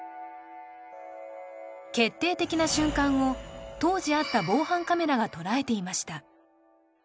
決定的な瞬間を当時あった防犯カメラが捉えていました